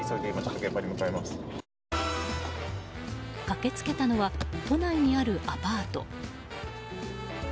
駆け付けたのは都内にあるアパート。